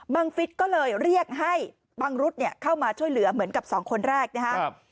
ฟิศก็เลยเรียกให้บังรุษเข้ามาช่วยเหลือเหมือนกับสองคนแรกนะครับ